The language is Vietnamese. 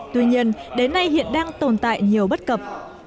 tuy nhiên đến nay hiện đang tồn tại nhiều bất cập